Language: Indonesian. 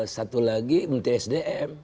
satu lagi menteri sdm